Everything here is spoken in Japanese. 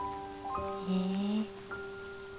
へえ！